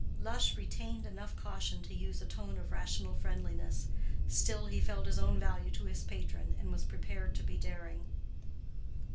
Lush retained enough caution to use a tone of rational friendliness, still he felt his own value to his patron, and was prepared to be daring.